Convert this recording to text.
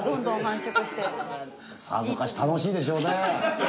さぞかし楽しいでしょうね。